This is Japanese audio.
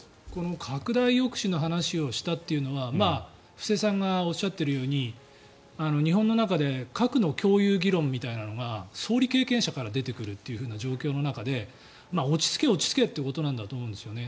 拡大抑止の話をしたというのは布施さんがおっしゃっているように日本の中で核の共有議論みたいなのが総理経験者から出てくるという状況の中で落ち着け、落ち着けということなんだと思うんですよね。